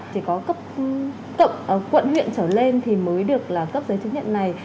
chỉ có cấp cộng quận huyện trở lên thì mới được là cấp giấy chứng nhận này